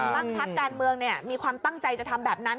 บ้างพักการเมืองเนี่ยมีความตั้งใจจะทำแบบนั้น